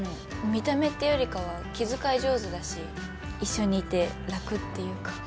見た目ってよりかは気遣い上手だし一緒にいて楽っていうか。